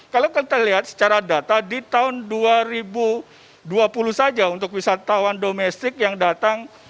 kalau kita lihat secara data di tahun dua ribu dua puluh saja untuk wisatawan domestik yang datang